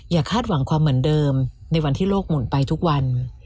คาดหวังความเหมือนเดิมในวันที่โลกหมุนไปทุกวัน